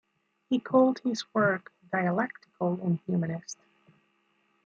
He called his work "dialectical" and "humanist.